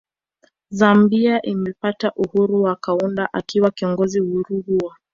Zambia imepata uhuru na Kaunda akiwa kiongozi uhuru huo